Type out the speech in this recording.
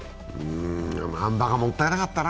あん馬がもったいなかったな。